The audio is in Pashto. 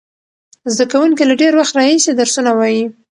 زده کوونکي له ډېر وخت راهیسې درسونه وایي.